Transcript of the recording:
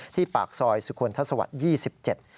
ปากซอยสุคลทัศวรรคยี่สิบเจ็ด